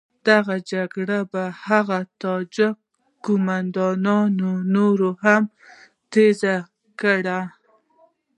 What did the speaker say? دغه جګړه به هغه تاجک قوماندانان نوره هم تېزه کړي.